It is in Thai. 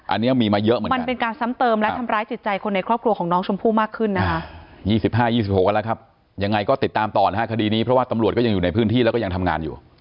อันเนี้ยมีมาเยอะเหมือนกันมันเป็นการซ้ำเติมและทำร้ายจิตใจคนในครอบครัวของน้องชมพู่มากขึ้นนะคะ